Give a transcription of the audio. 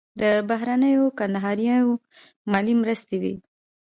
د بهرنیو کندهاریو مالي مرستې وې.